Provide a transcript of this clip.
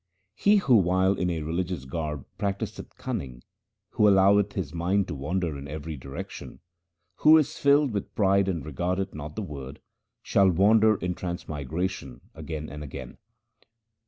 He who while in a religious garb practiseth cunning, who alloweth his mind to wander in every direction, Who is filled with pride and regardeth not the Word, shall wander in transmigration again and again.